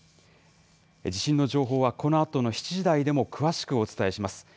地震の情報は、このあとの７時台でも詳しくお伝えします。